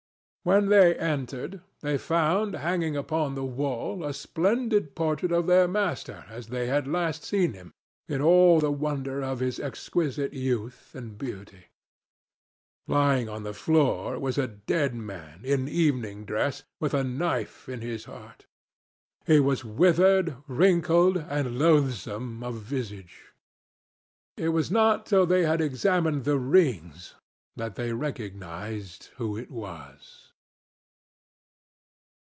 When they entered, they found hanging upon the wall a splendid portrait of their master as they had last seen him, in all the wonder of his exquisite youth and beauty. Lying on the floor was a dead man, in evening dress, with a knife in his heart. He was withered, wrinkled, and loathsome of visage. It was not till they had examined the rings that they recognized who it was.